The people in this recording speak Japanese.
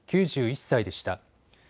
９１歳でした。